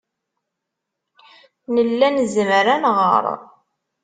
Nella nezmer ad nɣer.